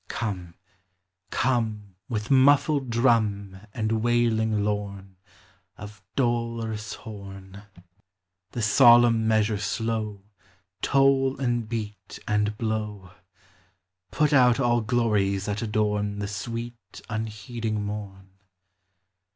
Come, come, With muttled drum And wailing lorn Of dolorous horn ; The solemn measure slow Toll and beat and blow ; Put out all glories that adorn The sweet, unheeding morn.